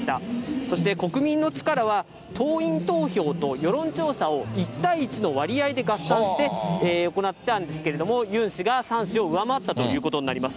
そして国民の力は党員投票と世論調査を１対１の割合で合算して行ったんですけれども、ユン氏が３氏を上回ったということになります。